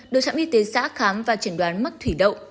đối trạm y tế xã khám và triển đoán mắc thủy đậu